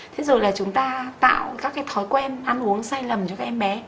thế rồi là chúng ta tạo các cái thói quen ăn uống say lầm cho các em bé